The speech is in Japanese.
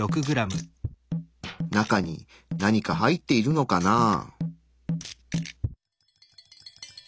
中に何か入っているのかなあ？